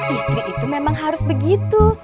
istri itu memang harus begitu